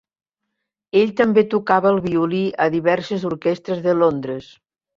Ell també tocava el violí a diverses orquestres de Londres.